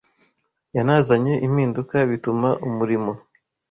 yanazanye impinduka bituma umurimo